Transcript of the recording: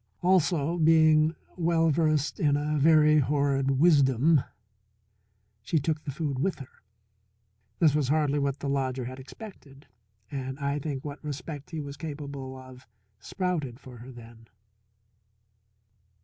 Also, being well versed in a very horrid wisdom, she took the food with her. This was hardly what the lodger had expected, and I think what respect he was capable of sprouted for her then.